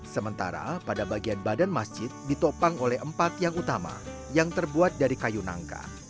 sementara pada bagian badan masjid ditopang oleh empat tiang utama yang terbuat dari kayu nangka